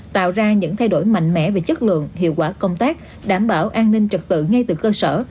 tạo ra những thay đổi mạnh mẽ về chất lượng hiệu quả công tác đảm bảo an ninh trật tự ngay từ cơ sở